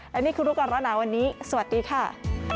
และนี่คือรู้ก่อนร้อนหนาวันนี้สวัสดีค่ะ